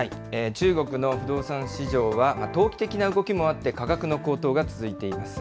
中国の不動産市場は、投機的な動きもあって、価格の高騰が続いています。